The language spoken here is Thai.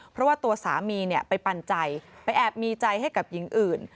เพราะว่าตัวสามีไปปันใจไปแอบมีใจให้กับหญิงอื่น